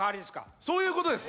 そういうことです。